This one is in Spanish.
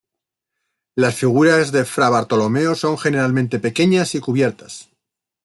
Las figuras de Fra Bartolomeo son generalmente pequeñas y cubiertas.